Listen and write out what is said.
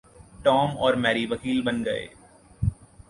Tom और Mary वकील बन गये।